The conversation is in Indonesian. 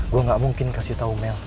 gue gak mungkin kasih tahu mel